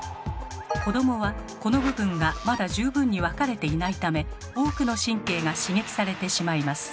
子どもはこの部分がまだ十分に分かれていないため多くの神経が刺激されてしまいます。